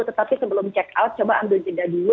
tetapi sebelum check out coba ambil jeda dulu